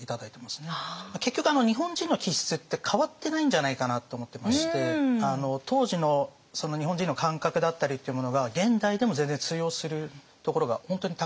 結局日本人の気質って変わってないんじゃないかなって思ってまして当時の日本人の感覚だったりっていうものが現代でも全然通用するところが本当にたくさんあるなと思ってますので。